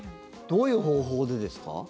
どういう方法でですか？